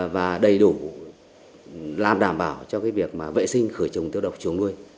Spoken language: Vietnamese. và đầy đủ làm đảm bảo cho cái việc mà vệ sinh khử trùng tiêu độc chuồng nuôi